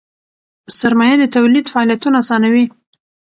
سرمایه د تولید فعالیتونه آسانوي.